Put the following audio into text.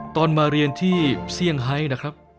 ตอนมาเรียนที่เซี่ยงไฮนะครับ